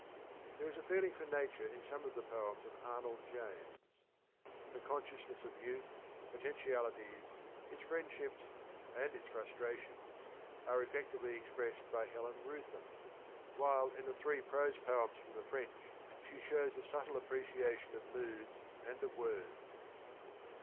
... There is a feeling for nature in some of the poems of Arnold James ; the consciousness of youth, potentialities, its friendships, and its frustra tions, are effectively expressed by Helen Rootham, while 109 in the three prose poems from the French she shows a subtle appreciation of moods and of words.